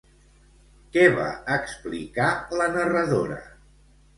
Què va explicar la narradora?